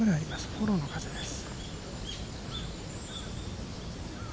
フォローの風です。